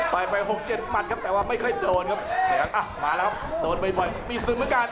ตาย๖๗มัตต์ครับแต่ว่าไม่ค่อยโดนมาแล้วครับโดนไปบ่อยมีสิงค์อาการ